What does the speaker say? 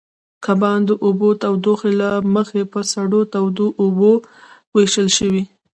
کبان د اوبو تودوخې له مخې په سړو او تودو اوبو وېشل شوي.